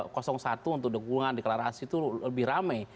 kalau satu untuk dukungan deklarasi tuh lebih rame